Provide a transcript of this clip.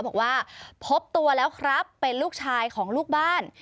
บอกว่าพบตัวแล้วครับเป็นลูกชายของลูกบ้าน